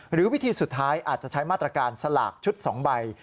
หรือวิธีสุดท้ายอาจจะใช้มาตรการสลากชุด๒ใบ